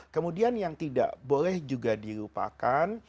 kemudian yang tidak boleh juga dilupakan